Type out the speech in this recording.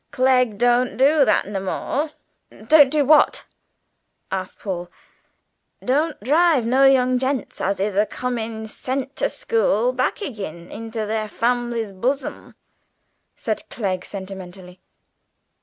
Clegg don't do that no more!" "Don't do what?" asked Paul. "Don't drive no young gents as is a bein' sent to school back agin into their family's bosims," said Clegg sententiously.